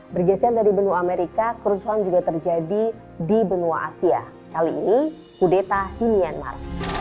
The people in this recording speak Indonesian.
bergeser dari benua amerika kerusuhan juga terjadi di benua asia kali ini kudeta di myanmar